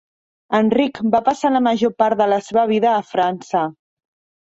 Enric va passar la major part de la seva vida a França.